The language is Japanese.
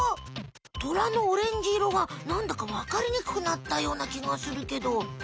トラのオレンジ色がなんだかわかりにくくなったようなきがするけど。